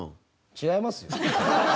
違いますよ。